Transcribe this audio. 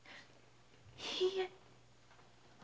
いいえ。